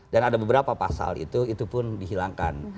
dan ada beberapa pasal itu itu pun dihilangkan